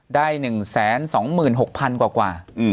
ได้๑๒๖๐๐๐กว่า